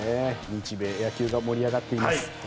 日米野球が盛り上がっています。